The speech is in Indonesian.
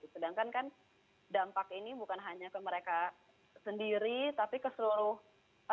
sedangkan kan dampak ini bukan hanya ke mereka sendiri tapi ke seluruh rakyat ke ekonomi semua